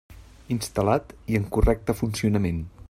Instal·lat i en correcte funcionament.